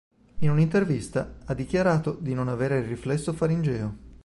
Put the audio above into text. In un'intervista ha dichiarato di non avere il riflesso faringeo.